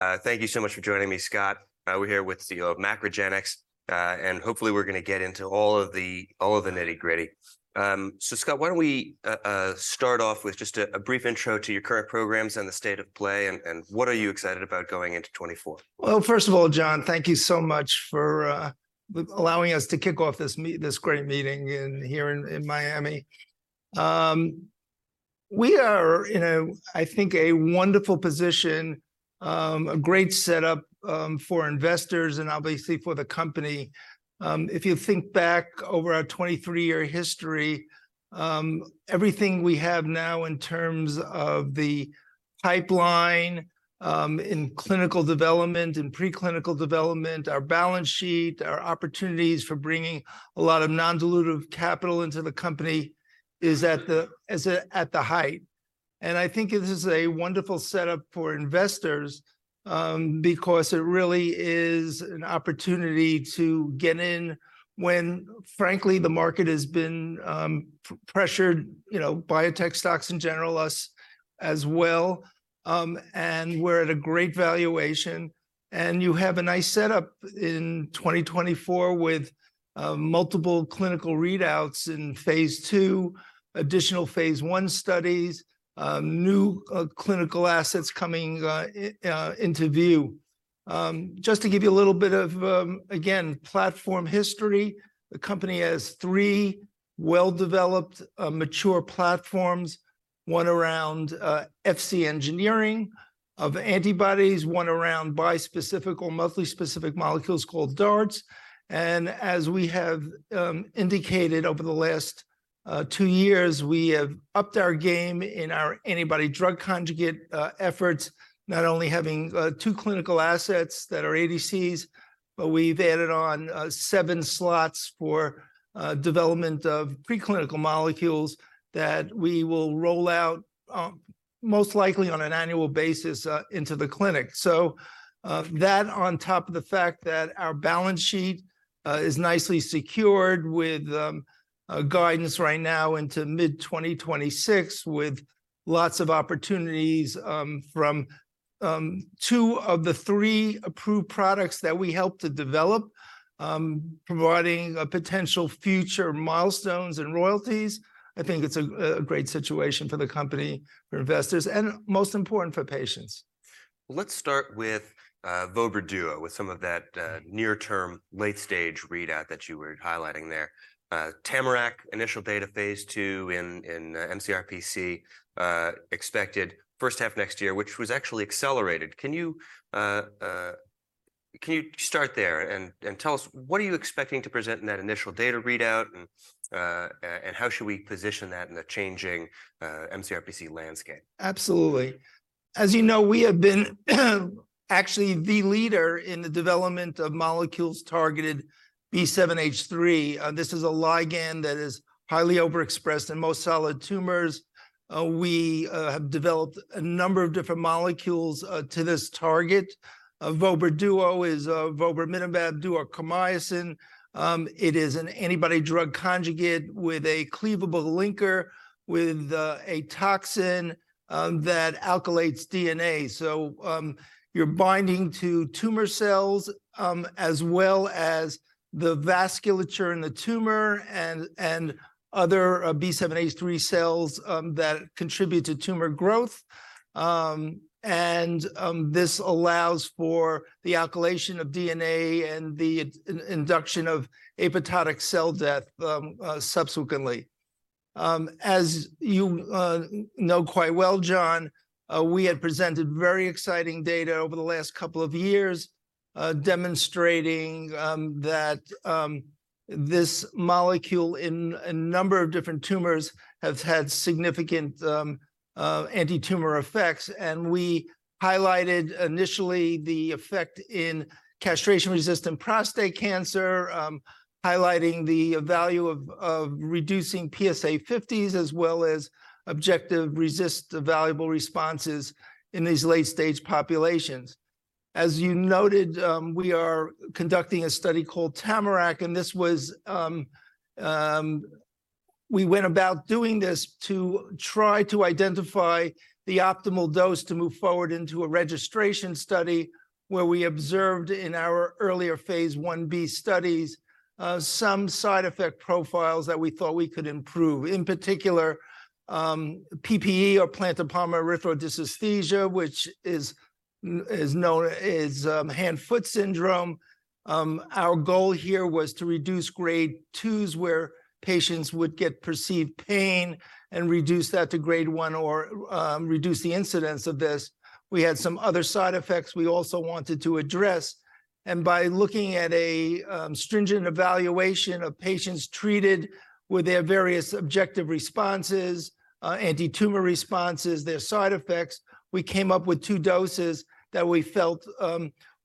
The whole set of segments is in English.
Thank you so much for joining me, Scott. We're here with CEO of MacroGenics, and hopefully we're gonna get into all of the nitty-gritty. So Scott, why don't we start off with just a brief intro to your current programs and the state of play, and what are you excited about going into 2024? Well, first of all, Jon, thank you so much for allowing us to kick off this great meeting here in Miami. We are in a, I think, a wonderful position, a great setup, for investors and obviously for the company. If you think back over our 23-year history, everything we have now in terms of the pipeline, in clinical development, in preclinical development, our balance sheet, our opportunities for bringing a lot of non-dilutive capital into the company, is at the height. And I think this is a wonderful setup for investors, because it really is an opportunity to get in when, frankly, the market has been pressured, you know, biotech stocks in general, us as well, and we're at a great valuation. You have a nice setup in 2024 with multiple clinical readouts in phase II, additional phase I studies, new clinical assets coming into view. Just to give you a little bit of, again, platform history, the company has three well-developed mature platforms, one around Fc engineering of antibodies, one around bispecific or multi-specific molecules called DARTs. And as we have indicated over the last two years, we have upped our game in our antibody drug conjugate efforts, not only having 2 clinical assets that are ADCs, but we've added on 7 slots for development of preclinical molecules that we will roll out most likely on an annual basis into the clinic. So, that on top of the fact that our balance sheet is nicely secured with guidance right now into mid-2026, with lots of opportunities from two of the three approved products that we helped to develop, providing potential future milestones and royalties, I think it's a great situation for the company, for investors, and most important, for patients. Let's start with Vobra Duo, with some of that near-term, late-stage readout that you were highlighting there. TAMARACK, initial data phase II in mCRPC, expected first half next year, which was actually accelerated. Can you start there and tell us what are you expecting to present in that initial data readout, and how should we position that in the changing mCRPC landscape? Absolutely. As you know, we have been actually the leader in the development of molecules targeted B7-H3. This is a ligand that is highly overexpressed in most solid tumors. We have developed a number of different molecules to this target. Vobra Duo is vobramitamab duocarmazine. It is an antibody-drug conjugate with a cleavable linker, with a toxin that alkylates DNA. So, you're binding to tumor cells as well as the vasculature in the tumor and other B7-H3 cells that contribute to tumor growth. And this allows for the alkylation of DNA and the induction of apoptotic cell death subsequently. As you know quite well, Jon, we had presented very exciting data over the last couple of years, demonstrating that this molecule in a number of different tumors has had significant anti-tumor effects. And we highlighted initially the effect in castration-resistant prostate cancer, highlighting the value of reducing PSA50s, as well as RECIST-evaluable responses in these late-stage populations. As you noted, we are conducting a study called TAMARACK. We went about doing this to try to identify the optimal dose to move forward into a registration study, where we observed in our earlier phase I B studies some side effect profiles that we thought we could improve. In particular, PPE, or palmar-plantar erythrodysesthesia, which is known as hand-foot syndrome. Our goal here was to reduce grade 2s, where patients would get perceived pain, and reduce that to grade 1 or reduce the incidence of this. We had some other side effects we also wanted to address, and by looking at a stringent evaluation of patients treated with their various objective responses, anti-tumor responses, their side effects, we came up with two doses that we felt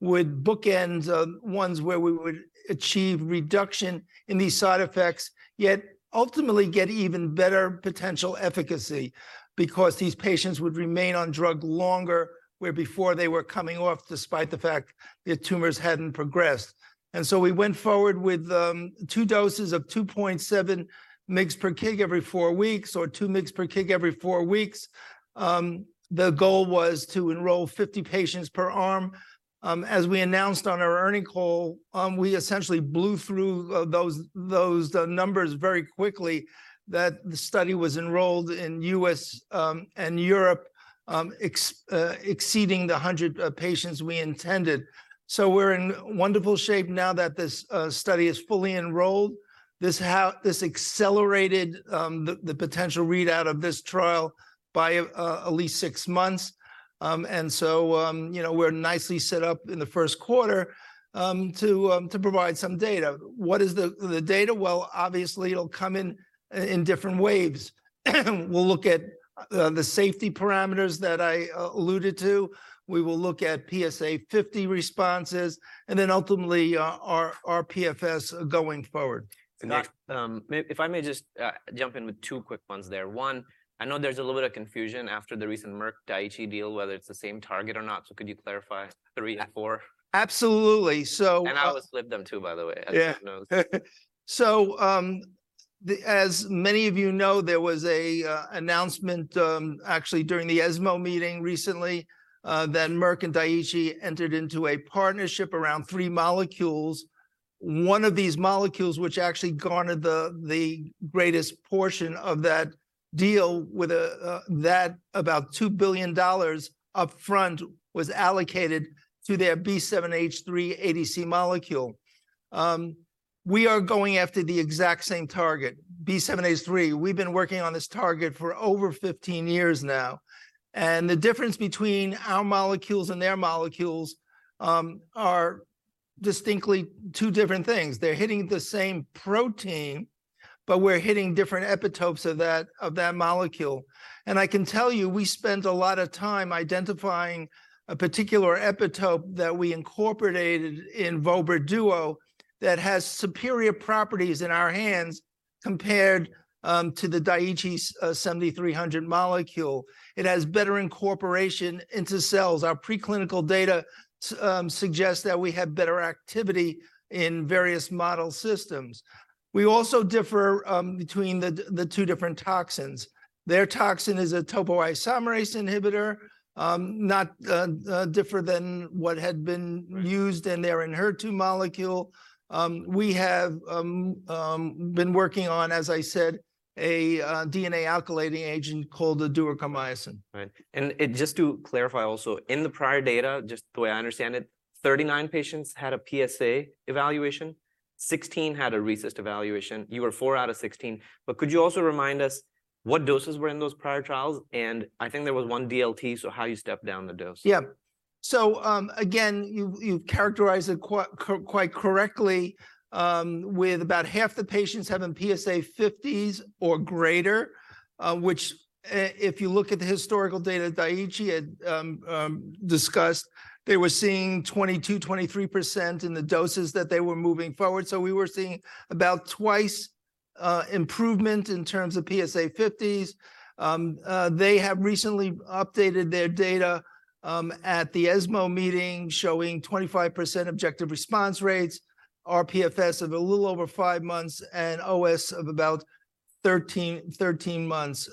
would bookend ones where we would achieve reduction in these side effects, yet ultimately get even better potential efficacy, because these patients would remain on drug longer, where before they were coming off, despite the fact their tumors hadn't progressed. And so we went forward with two doses of 2.7 mg per kg every four weeks, or 2 mg per kg every four weeks. The goal was to enroll 50 patients per arm. As we announced on our earnings call, we essentially blew through those numbers very quickly, that the study was enrolled in U.S. and Europe, exceeding the 100 patients we intended. So we're in wonderful shape now that this study is fully enrolled. This accelerated the potential readout of this trial by at least 6 months. And so, you know, we're nicely set up in the Q1 to provide some data. What is the data? Well, obviously, it'll come in different waves. We'll look at the safety parameters that I alluded to. We will look at PSA 50 responses, and then ultimately, our PFS going forward. Doc, if I may just jump in with two quick ones there. One, I know there's a little bit of confusion after the recent Merck Daiichi deal, whether it's the same target or not, so could you clarify three and four? Absolutely. So- I was with them, too, by the way, as everyone knows. Yeah. So, as many of you know, there was an announcement, actually during the ESMO meeting recently, that Merck and Daiichi entered into a partnership around 3 molecules. One of these molecules, which actually garnered the greatest portion of that deal with that about $2 billion upfront, was allocated to their B7-H3 ADC molecule. We are going after the exact same target, B7-H3. We've been working on this target for over 15 years now, and the difference between our molecules and their molecules are distinctly two different things. They're hitting the same protein, but we're hitting different epitopes of that molecule. And I can tell you, we spent a lot of time identifying a particular epitope that we incorporated in Vobra Duo that has superior properties in our hands compared to the Daiichi's I-DXd molecule. It has better incorporation into cells. Our preclinical data suggests that we have better activity in various model systems. We also differ between the two different toxins. Their toxin is a topoisomerase inhibitor, not different than what had been used- Right... in their ENHERTU molecule. We have been working on, as I said, a DNA-alkylating agent called the duocarmycin. Right. And just to clarify also, in the prior data, just the way I understand it, 39 patients had a PSA evaluation, 16 had a RECIST evaluation. You were 4 out of 16. But could you also remind us what doses were in those prior trials? And I think there was 1 DLT, so how you stepped down the dose? Yeah. So, again, you've characterized it quite correctly, with about half the patients having PSA 50s or greater, which, if you look at the historical data Daiichi had discussed, they were seeing 22%-23% in the doses that they were moving forward. So we were seeing about twice improvement in terms of PSA 50s. They have recently updated their data at the ESMO meeting, showing 25% objective response rates, rPFS of a little over 5 months, and OS of about 13 months.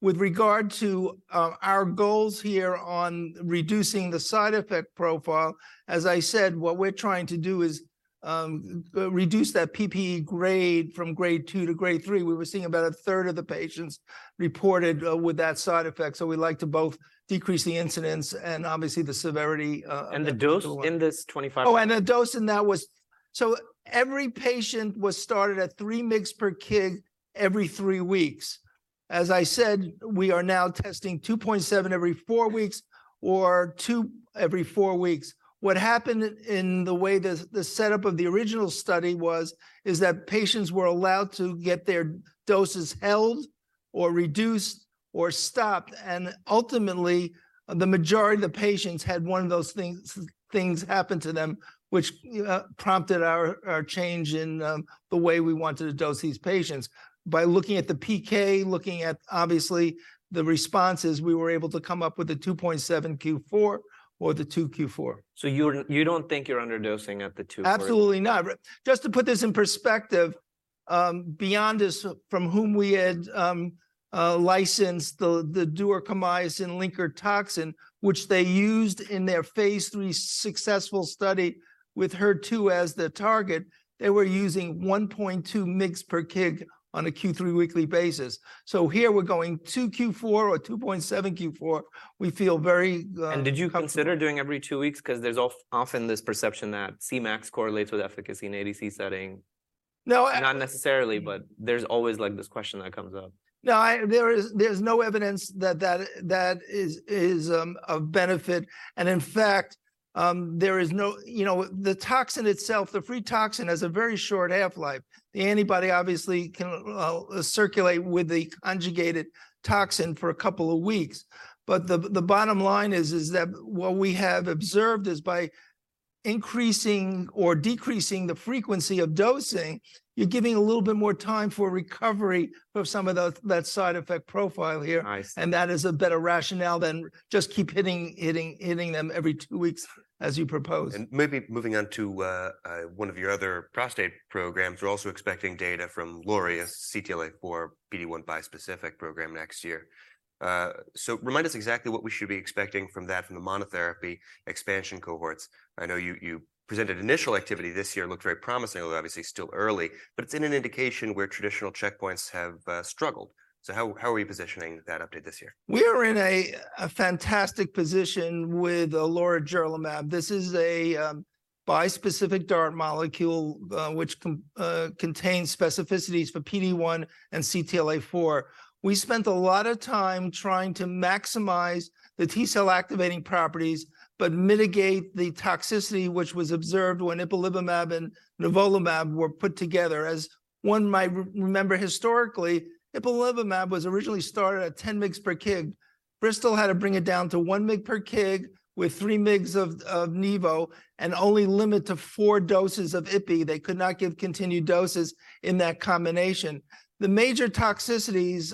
With regard to our goals here on reducing the side effect profile, as I said, what we're trying to do is reduce that PPE grade from Grade 2 to Grade 3. We were seeing about a third of the patients reported with that side effect, so we'd like to both decrease the incidence and obviously the severity of the- The dose in this 25- Oh, and the dose in that was... So every patient was started at 3 mg per kg every three weeks. As I said, we are now testing 2.7 every four weeks, or 2 every four weeks. What happened in the way the setup of the original study was, is that patients were allowed to get their doses held or reduced or stopped, and ultimately, the majority of the patients had one of those things happen to them, which prompted our change in the way we wanted to dose these patients. By looking at the PK, looking at obviously the responses, we were able to come up with a 2.7 Q4 or the 2 Q4. So, you don't think you're underdosing at the 2 per- Absolutely not. Just to put this in perspective, Byondis, from whom we had licensed the duocarmycin linker toxin, which they used in their phase III successful study with HER2 as the target, they were using 1.2 mg per kg on a Q3 weekly basis. So here we're going 2 Q4 or 2.7 Q4. We feel very comfortable. Did you consider doing every two weeks? 'Cause there's often this perception that Cmax correlates with efficacy in ADC setting. No, a- Not necessarily, but there's always, like, this question that comes up. No. There is, there's no evidence that that is of benefit, and in fact, there is no, you know, the toxin itself, the free toxin, has a very short half-life. The antibody obviously can circulate with the conjugated toxin for a couple of weeks. But the bottom line is that what we have observed is by increasing or decreasing the frequency of dosing, you're giving a little bit more time for recovery of some of the that side effect profile here. I see. That is a better rationale than just keep hitting, hitting, hitting them every two weeks, as you propose. Maybe moving on to one of your other prostate programs, we're also expecting data from LORI, a CTLA-4 PD-1 bispecific program next year. So remind us exactly what we should be expecting from that, from the monotherapy expansion cohorts. I know you, you presented initial activity this year, it looked very promising, although obviously still early, but it's an indication where traditional checkpoints have struggled. So how, how are you positioning that update this year? We are in a fantastic position with lorigerlimab. This is a bispecific DART molecule, which contains specificities for PD-1 and CTLA-4. We spent a lot of time trying to maximize the T cell activating properties, but mitigate the toxicity, which was observed when ipilimumab and nivolumab were put together. As one might remember historically, ipilimumab was originally started at 10 mg per kg. Bristol had to bring it down to 1 mg per kg, with 3 mg of nivo, and only limit to four doses of ipi. They could not give continued doses in that combination. The major toxicities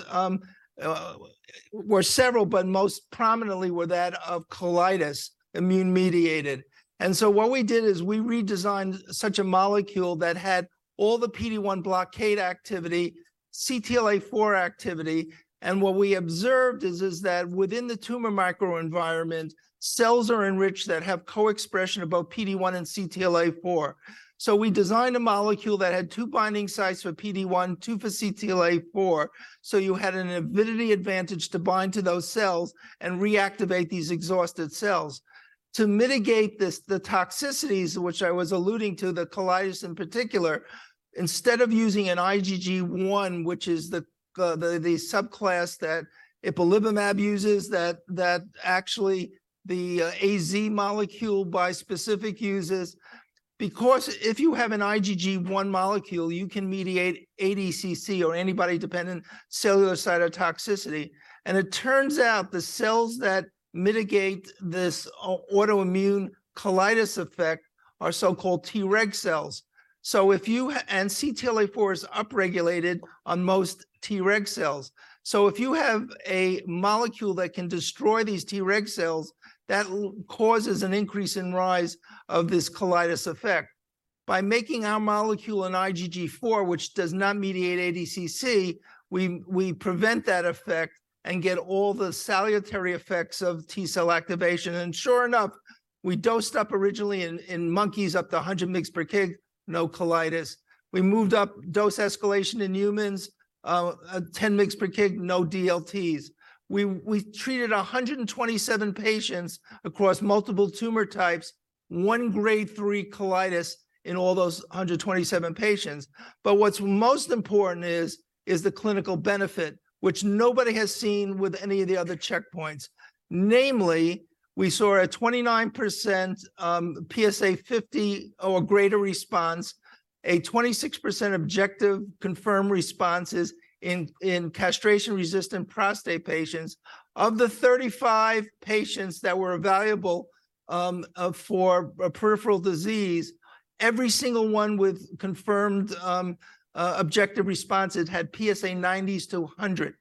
were several, but most prominently were that of colitis, immune-mediated. So what we did is, we redesigned such a molecule that had all the PD-1 blockade activity, CTLA-4 activity, and what we observed is that within the tumor microenvironment, cells are enriched that have co-expression of both PD-1 and CTLA-4. So we designed a molecule that had two binding sites for PD-1, 2 for CTLA-4, so you had an avidity advantage to bind to those cells and reactivate these exhausted cells. To mitigate this, the toxicities, which I was alluding to, the colitis in particular, instead of using an IgG1, which is the subclass that ipilimumab uses, that actually the AZ molecule bispecific uses. Because if you have an IgG1 molecule, you can mediate ADCC or antibody-dependent cellular cytotoxicity, and it turns out the cells that mitigate this autoimmune colitis effect are so-called Treg cells. And CTLA-4 is upregulated on most Treg cells. So if you have a molecule that can destroy these Treg cells, that causes an increase in rise of this colitis effect. By making our molecule an IgG4, which does not mediate ADCC, we, we prevent that effect and get all the salutary effects of T cell activation. And sure enough, we dosed up originally in, in monkeys up to 100 mg per kg, no colitis. We moved up dose escalation in humans, 10 mg per kg, no DLTs. We, we treated 127 patients across multiple tumor types, one grade 3 colitis in all those 127 patients. But what's most important is, is the clinical benefit, which nobody has seen with any of the other checkpoints. Namely, we saw a 29% PSA50 or greater response, a 26% objective confirmed responses in castration-resistant prostate patients. Of the 35 patients that were evaluable for a peripheral disease, every single one with confirmed objective responses had PSA 90s to 100.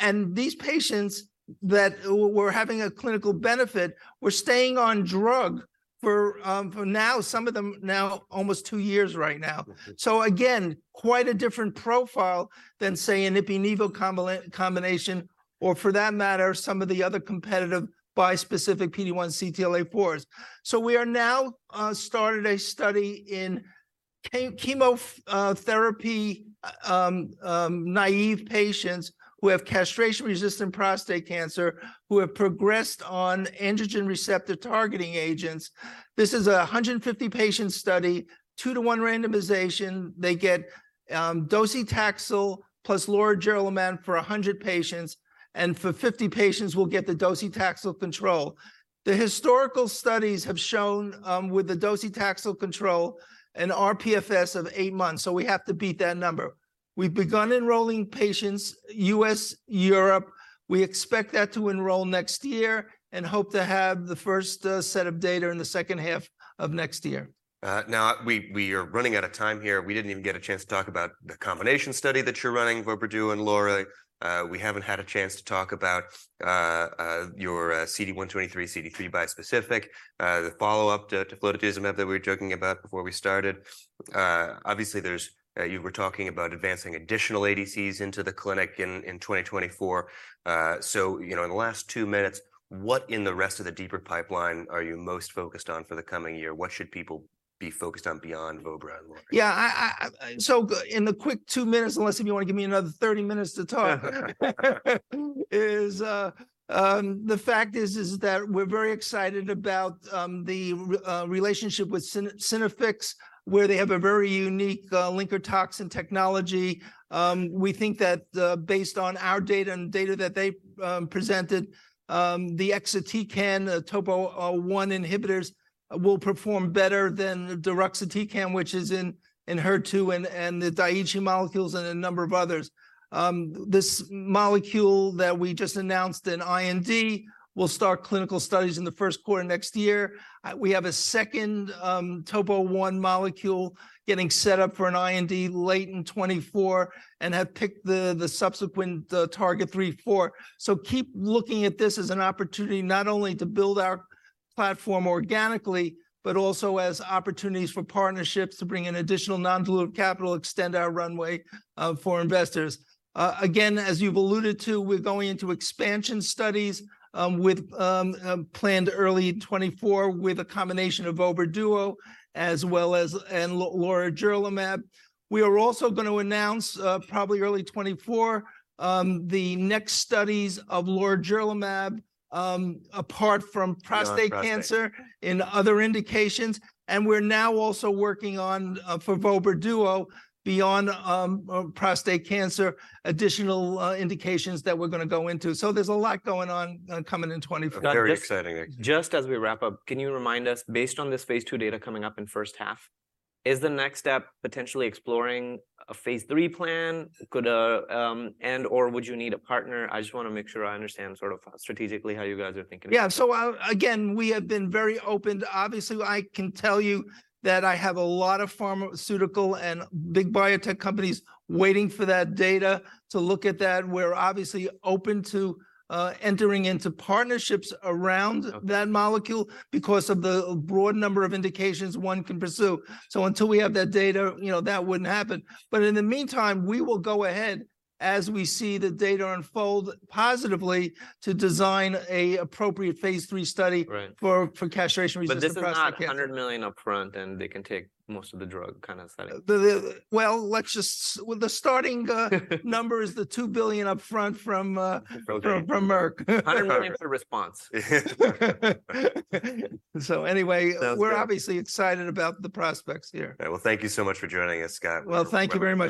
And these patients that were having a clinical benefit were staying on drug for now, some of them now almost two years right now. So again, quite a different profile than, say, an Ipi-Nivo combination, or for that matter, some of the other competitive bispecific PD-1/CTLA-4s. So we are now started a study in chemotherapy-naive patients who have castration-resistant prostate cancer, who have progressed on androgen receptor targeting agents. This is a 150 patient study, 2-to-1 randomization. They get docetaxel plus lorigerlimab for 100 patients, and for 50 patients will get the docetaxel control. The historical studies have shown with the docetaxel control, an rPFS of eight months, so we have to beat that number. We've begun enrolling patients, U.S., Europe. We expect that to enroll next year and hope to have the first set of data in the second half of next year. Now, we are running out of time here. We didn't even get a chance to talk about the combination study that you're running, Vobra Duo and Lora. We haven't had a chance to talk about your CD123, CD3 bispecific, the follow-up to teplizumab that we were joking about before we started. Obviously, there's you were talking about advancing additional ADCs into the clinic in 2024. So, you know, in the last two minutes, what in the rest of the deeper pipeline are you most focused on for the coming year? What should people be focused on beyond Vobra and Lora? Yeah, so in the quick two minutes, unless if you want to give me another 30 minutes to talk is the fact is, is that we're very excited about the relationship with Synaffix, where they have a very unique linker toxin technology. We think that based on our data and data that they presented the exatecan, the topo one inhibitors, will perform better than deruxtecan, which is in HER2 and the Daiichi molecules and a number of others. This molecule that we just announced in IND will start clinical studies in the Q1 next year. We have a second topo one molecule getting set up for an IND late in 2024 and have picked the subsequent target three, four. So keep looking at this as an opportunity not only to build our platform organically, but also as opportunities for partnerships to bring in additional non-dilutive capital, extend our runway, for investors. Again, as you've alluded to, we're going into expansion studies with planned early 2024, with a combination of Vobra Duo as well as and lorigerlimab. We are also going to announce probably early 2024 the next studies of lorigerlimab apart from prostate cancer- Prostate... in other indications, and we're now also working on for Vobra Duo, beyond prostate cancer, additional indications that we're gonna go into. So there's a lot going on, coming in 2024. Very exciting. Just as we wrap up, can you remind us, based on this phase II data coming up in first half, is the next step potentially exploring a phase III plan? Could and/or would you need a partner? I just want to make sure I understand sort of strategically how you guys are thinking. Yeah. So, again, we have been very open. Obviously, I can tell you that I have a lot of pharmaceutical and big biotech companies waiting for that data to look at that. We're obviously open to, entering into partnerships around- Okay... that molecule because of the broad number of indications one can pursue. So until we have that data, you know, that wouldn't happen. But in the meantime, we will go ahead, as we see the data unfold positively, to design an appropriate phase III study- Right... for castration-resistant prostate cancer. This is not $100 million upfront, and they can take most of the drug kind of study? Well, let's just, the starting number is the $2 billion upfront from Okay... from Merck. $100 million for response. So anyway- Sounds good... we're obviously excited about the prospects here. Well, thank you so much for joining us, Scott. Well, thank you very much.